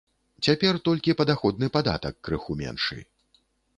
Цяпер толькі падаходны падатак крыху меншы.